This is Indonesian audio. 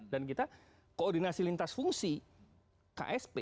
kita koordinasi lintas fungsi ksp